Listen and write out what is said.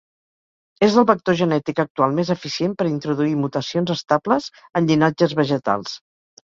És el vector genètic actual més eficient per introduir mutacions estables en llinatges vegetals.